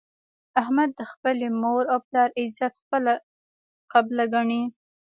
احمد د خپلې مور او پلار عزت خپله قبله ګڼي.